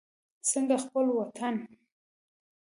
څنګه خپل وطن.